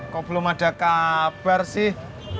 kok belum ada kabar sih